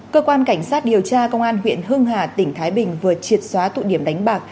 cơ quan cảnh sát điều tra công an huyện hưng hà tỉnh thái bình vừa triệt xóa tụ điểm đánh bạc